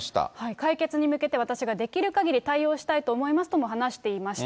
解決に向けて私ができるかぎり対応したいと思いますとも話していました。